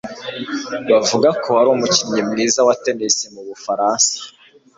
Bavuga ko ari umukinnyi mwiza wa tennis mu Bufaransa